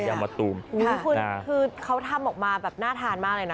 มันไรสอเลยอ่ะคือเขาทำออกมาแบบน่าทานมากเลยนะ